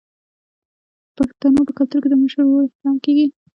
د پښتنو په کلتور کې د مشر ورور احترام کیږي.